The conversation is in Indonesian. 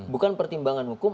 bukan pertimbangan hukum